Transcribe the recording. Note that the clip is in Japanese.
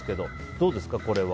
どうですか、これは。